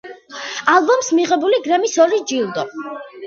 ალბომს მიღებული გრემის ორი ჯილდო.